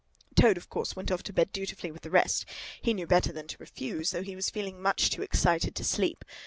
Toad, of course, went off to bed dutifully with the rest—he knew better than to refuse—though he was feeling much too excited to sleep.